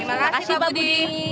terima kasih pak budi